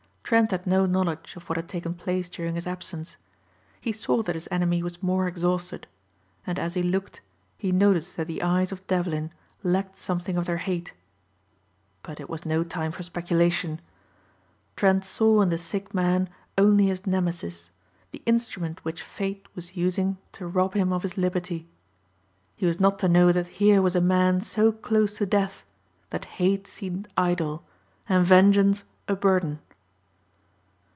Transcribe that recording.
Trent had no knowledge of what had taken place during his absence. He saw that his enemy was more exhausted. And as he looked he noticed that the eyes of Devlin lacked something of their hate. But it was no time for speculation. Trent saw in the sick man only his nemesis, the instrument which fate was using to rob him of his liberty. He was not to know that here was a man so close to death that hate seemed idle and vengeance a burden.